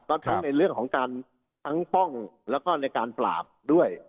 ก็ทั้งในเรื่องของการทั้งป้องแล้วก็ในการปราบด้วย